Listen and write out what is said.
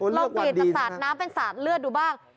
ลองเปลี่ยนจากสาดน้ำเป็นสาดเลือดดูบ้าง